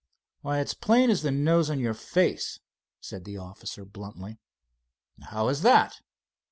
"Why, it's plain as the nose on your face," said the officer bluntly. "How is that?"